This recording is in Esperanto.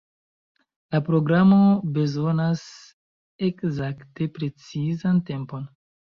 La programo bezonas ekzakte precizan tempon.